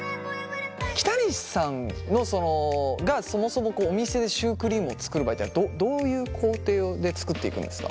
北西さんがそもそもお店でシュークリームを作る場合ってどういう工程で作っていくんですか？